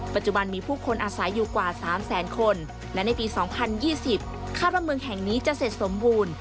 ปัจจุบันมีผู้คนอาศัยอยู่กว่า๓แสนคนและในปี๒๐๒๐คาดว่าเมืองแห่งนี้จะเสร็จสมบูรณ์